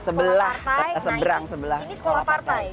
sebelah seberang sebelah sekolah partai